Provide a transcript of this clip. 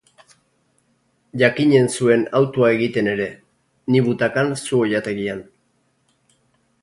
Jakinen zuen hautua egiten ere, ni butakan zu oilategian.